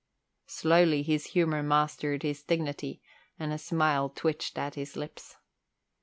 Slowly his humour mastered his dignity and a smile twitched at his lips.